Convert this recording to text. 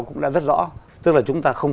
cũng đã rất rõ tức là chúng ta không